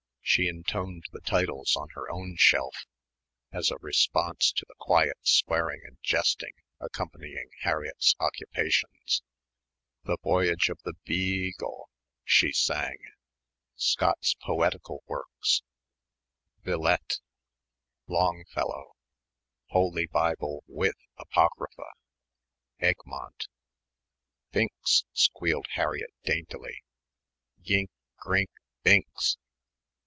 She intoned the titles on her own shelf as a response to the quiet swearing and jesting accompanying Harriett's occupations. "The Voyage of the Beeeeeeagle," she sang "Scott's Poetical Works." Villette Longfellow Holy Bible with Apocrypha Egmont "Binks!" squealed Harriett daintily. "Yink grink binks."